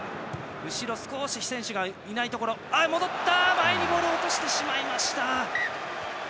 前にボールを落としてしまいました。